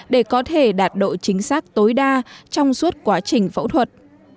để có thể đạt độ chính xác tối đa trong suốt quá trình phẫu thuật